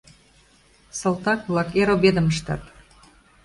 Салтак-влак эр обедым ыштат.